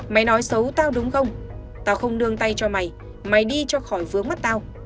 mày nói xấu tao đúng không tao không nương tay cho mày mày đi cho khỏi vướng mắt tao